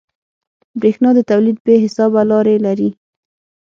برېښنا د تولید بې حسابه لارې لري.